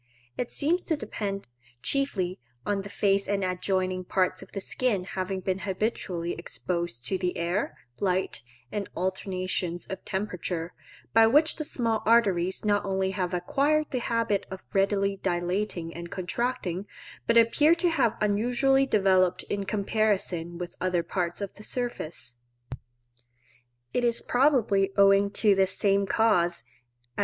This seems to depend, chiefly, on the face and adjoining parts of the skin having been habitually exposed to the air, light, and alternations of temperature, by which the small arteries not only have acquired the habit of readily dilating and contracting, but appear to have become unusually developed in comparison with other parts of the surface. It is probably owing to this same cause, as M.